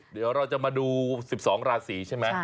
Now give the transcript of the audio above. เดี๋ยวเราจะมาดู๑๒ราศีใช่ไหม